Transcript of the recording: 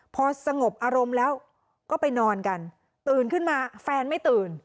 พอสงบอารมณ์แล้วก็ไปนอนกันตื่นขึ้นมาแฟนไม่ตื่น